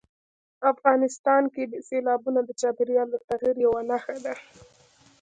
افغانستان کې سیلابونه د چاپېریال د تغیر یوه نښه ده.